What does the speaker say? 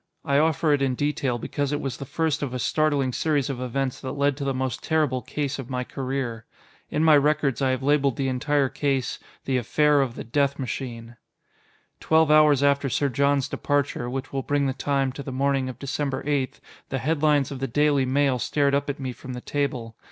I offer it in detail because it was the first of a startling series of events that led to the most terrible case of my career. In my records I have labeled the entire case "The Affair of the Death Machine." Twelve hours after Sir John's departure which will bring the time, to the morning of December 8 the headlines of the Daily Mail stared up at me from the table.